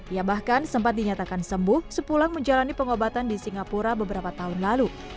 ia bahkan sempat dinyatakan sembuh sepulang menjalani pengobatan di singapura beberapa tahun lalu